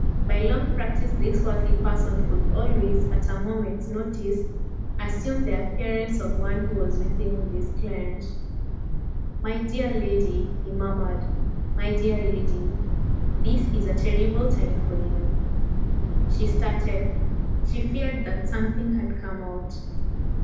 By long practice this worthy person could always, at a moment's notice, assume the appearance of one who was weeping with his client. "My dear lady!" he murmured. "My dear lady! This is a terrible time for you." She started. She feared that something had come out.